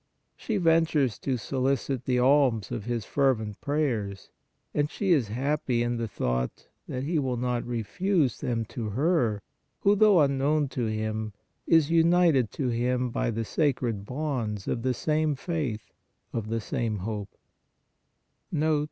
She ventures to solicit the alms of his fervent prayers, and she is happy in the thought that he will not refuse them to her who, though unknown to him, is united to him by the sacred bonds of the same faith, of the same hope." 122 PRAYER NOTE.